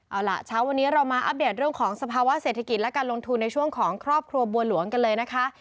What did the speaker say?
เอาล่ะเช้าวันนี้เรามาอัปเดตเรื่องของสภาวะเศรษฐกิจและการลงทุนในช่วงของครอบครัวบัวหลวงกันเลยนะคะ